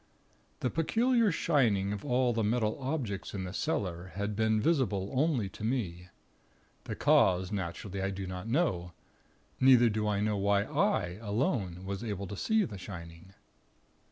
"The peculiar shining of all the metal objects in the cellar, had been visible only to me. The cause, naturally I do not know; neither do I know why I, alone, was able to see the shining."